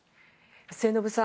末延さん